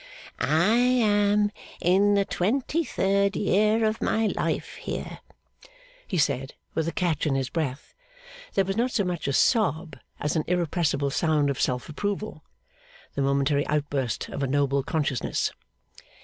'I am in the twenty third year of my life here,' he said, with a catch in his breath that was not so much a sob as an irrepressible sound of self approval, the momentary outburst of a noble consciousness.